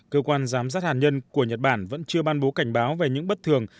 cơ quan giám sát hạt nhân của nhật bản vẫn chưa ban bố cảnh báo về những bất thường